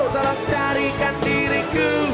tolong carikan diriku